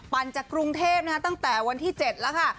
จากกรุงเทพตั้งแต่วันที่๗แล้วค่ะ